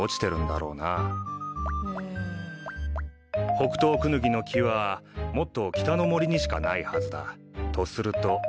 ホクトウクヌギの木はもっと北の森にしかないはずだ。とすると。